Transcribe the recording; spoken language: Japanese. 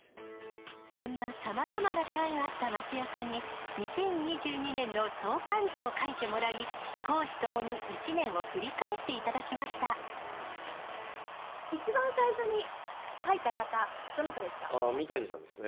そんなさまざまな出会いがあった松也さんに、２０２２年の相関図を書いてもらい、公私ともに一年を振り返って一番最初に書いた方、どなた三谷さんですね。